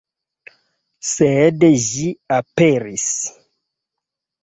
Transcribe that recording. Sed ĝi aperis.